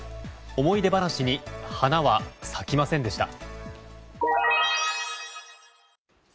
思い出話に花は咲きませんでした。